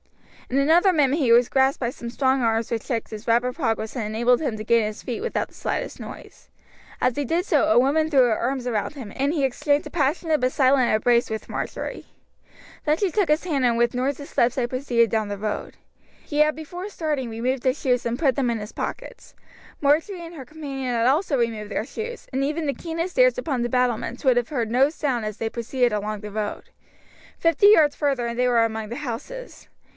In another minute he was grasped by some strong arms which checked his rapid progress and enabled him to gain his feet without the slightest noise. As he did so a woman threw her arms round him, and he exchanged a passionate but silent embrace with Marjory. Then she took his hand and with noiseless steps they proceeded down the road. He had before starting removed his shoes and put them in his pockets. Marjory and her companion had also removed their shoes, and even the keenest ears upon the battlements would have heard no sound as they proceeded along the road. Fifty yards farther and they were among the houses.